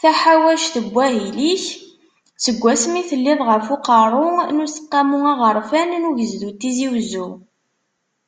Taḥawact n wahil-ik, seg wasmi telliḍ ɣef uqerru n Useqqamu Aɣerfan n Ugezdu n Tizi Uzzu.